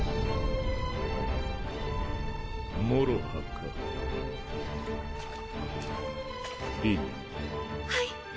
はい。